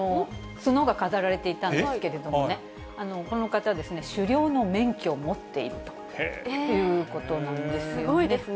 角が飾られていたんですけれどもね、この方、狩猟の免許を持っているということなんですね。